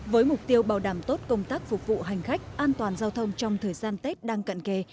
với mục tiêu bảo đảm tốt công tác phục vụ hành khách an toàn giao thông trong thời gian tết đang cận kề